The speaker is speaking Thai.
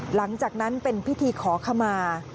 หลังจากนั้นเป็นพิธีขอขมา